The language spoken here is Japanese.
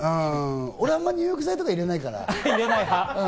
俺、あんまり入浴剤とか入れないから。